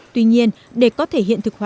tuy nhiên để có thể hiện thực hóa